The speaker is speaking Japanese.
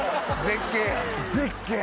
絶景。